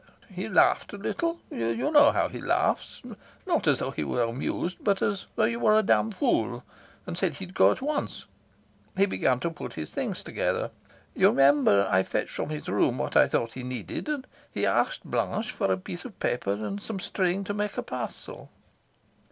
"He laughed a little; you know how he laughs, not as though he were amused, but as though you were a damned fool, and said he'd go at once. He began to put his things together. You remember I fetched from his room what I thought he needed, and he asked Blanche for a piece of paper and some string to make a parcel."